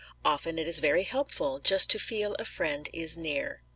Often it is very helpful Just to feel a friend is near.